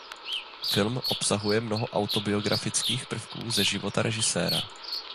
Film obsahuje mnoho autobiografických prvků ze života režiséra.